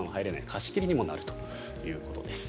貸し切りにもなるということです。